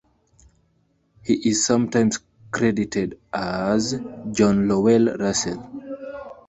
He is sometimes credited as John Lowell Russell.